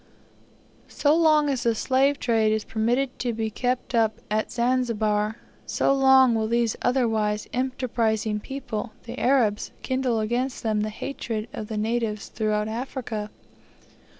So long as the slave trade is permitted to be kept up at Zanzibar, so long will these otherwise enterprising people, the Arabs, kindle gainst them the hatred of the natives throughout Africa.